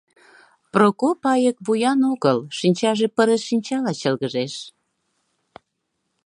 Прокоп айык вуян огыл, шинчаже пырыс шинчала чылгыжеш.